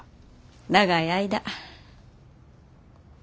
長い間。